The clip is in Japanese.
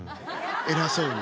偉そうに。